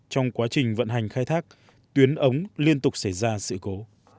trong quá trình vận hành khai thác tuyến ống liên tục xảy ra sự cố